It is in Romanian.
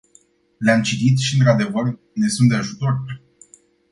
Le-am citit și, într-adevăr, ne sunt de ajutor.